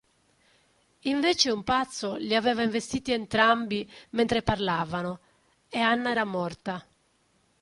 Invece un pazzo li aveva investiti entrambi mentre parlavano e Anna era morta.